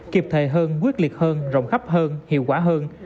kịp thời hơn quyết liệt hơn rộng khắp hơn hiệu quả hơn